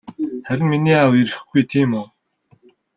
Харин миний аав ирэхгүй тийм үү?